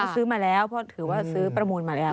ซื้อมาแล้วเพราะถือว่าซื้อประมูลมาแล้ว